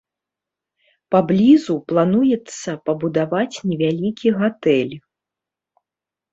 Паблізу плануецца пабудаваць невялікі гатэль.